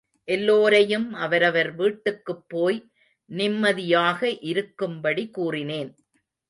எல்லோரையும் அவரவர் வீட்டுக்குப் போய் நிம்மதியாக இருக்கும்படி கூறினேன்.